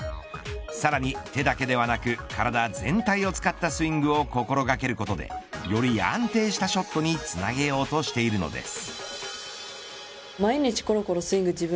さらに手だけではなく体全体を使ったスイングを心掛けることでより安定したショットにつなげようとしているのです。